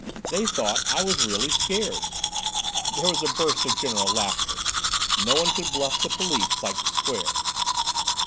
They thought I was really scared." There was a burst of general laughter. No one could bluff the police like the Square.